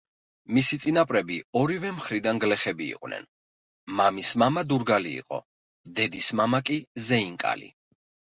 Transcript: მისი წინაპრები ორივე მხრიდან გლეხები იყვნენ, მამის მამა დურგალი იყო, დედის მამა კი ზეინკალი.